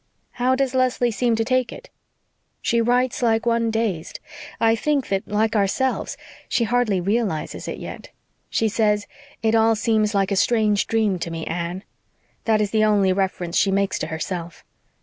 "How does Leslie seem to take it?" "She writes like one dazed. I think that, like ourselves, she hardly realises it yet. She says, 'It all seems like a strange dream to me, Anne.' That is the only reference she makes to herself."